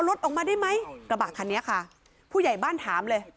กระบาดทางเนี้ยค่ะผู้ใหญ่บ้านถามเลย